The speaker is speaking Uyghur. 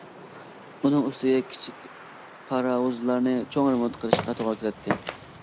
ئۇنىڭ ئۈستىگە كىچىك پاراۋۇزلارنى چوڭ رېمونت قىلىشقا توغرا كېلەتتى.